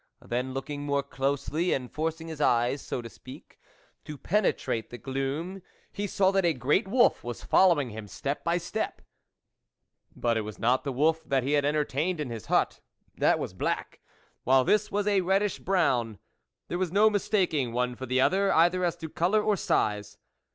Then, looking more closely, and forcing his eyes, so to speak, to penetrate the gloom, he saw that a great wolf was following him, step by step. But it was not the wolf that he had entertained in his hut ; that was black, while this was a reddish brown. There was no mistaking one for the other, either as to colour or size.